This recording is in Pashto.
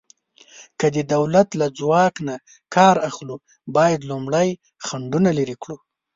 که د دولت له ځواک نه کار اخلو، باید لومړی خنډونه لرې کړو.